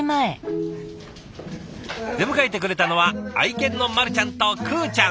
出迎えてくれたのは愛犬のまるちゃんとくーちゃん。